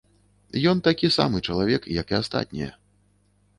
Ён такі самы чалавек, як і астатнія.